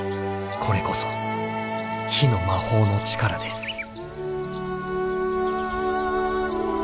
これこそ火の魔法の力です。